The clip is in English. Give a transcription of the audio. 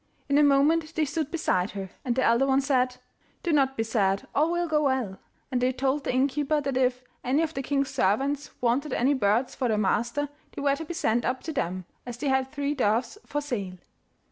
In a moment they stood beside her, and the elder one said, 'Do not be sad, all will go well,' and they told the innkeeper that if any of the king's servants wanted any birds for their master they were to be sent up to them, as they had three doves for sale.